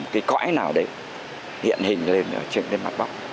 cái cõi nào để hiện hình lên trên mặt bóng